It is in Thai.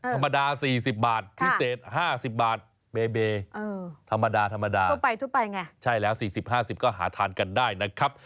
ธรรมดาทั่วไปไงใช่แล้ว๔๐๕๐ก็หาทานกันได้นะครับ